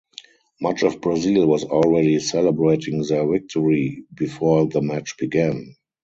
Much of Brazil was already celebrating their victory before the match began.